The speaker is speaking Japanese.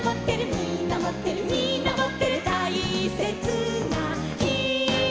「みんなもってるみんなもってる」「たいせつなひ」